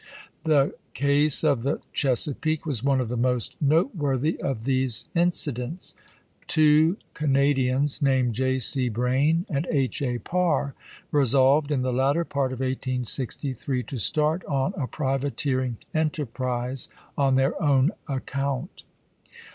The case of the CJiesapeake was one of the most noteworthy of these incidents. Two Canadians named J. C. Braine and H. A. Parr resolved, in the latter part of 1863, to start on a privateering enter prise on their own account.